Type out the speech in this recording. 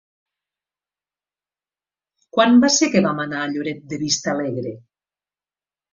Quan va ser que vam anar a Lloret de Vistalegre?